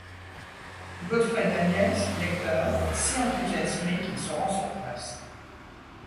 Godfrey Daniels, lecteur, est si enthousiasmé qu'il se rend sur place.